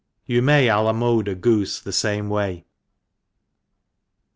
■■You may a la mode a goofe the fame way.